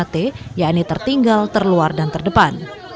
di daerah tiga t yang ini tertinggal terluar dan terdepan